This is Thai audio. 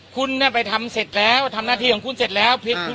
คุณไปทำเสร็จแล้วทำหน้าที่ของคุณเสร็จแล้ว